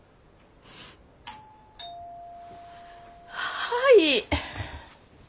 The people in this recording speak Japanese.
はい。